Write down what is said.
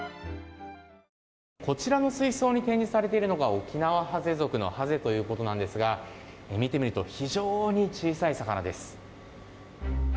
こちらの水槽に展示されているのがオキナワハゼ属のハゼということなんですが見てみると非常に小さい魚です。